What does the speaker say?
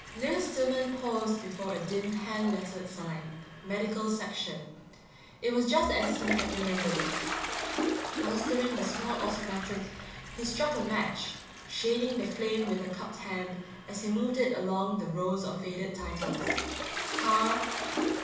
Lewis Stillman paused before a dim hand lettered sign: MEDICAL SECTION. It was just as he had remembered it. Holstering the small automatic, he struck a match, shading the flame with a cupped hand as he moved it along the rows of faded titles. Carter